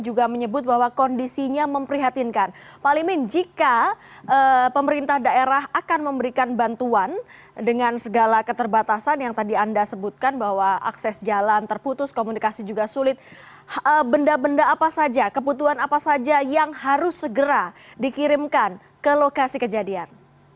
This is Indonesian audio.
juga menyebut bahwa kondisinya memprihatinkan pak limin jika pemerintah daerah akan memberikan bantuan dengan segala keterbatasan yang tadi anda sebutkan bahwa akses jalan terputus komunikasi juga sulit benda benda apa saja kebutuhan apa saja yang harus segera dikirimkan ke lokasi kejadian